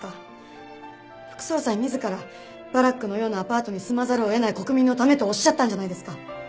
副総裁自らバラックのようなアパートに住まざるを得ない国民のためとおっしゃったんじゃないですか。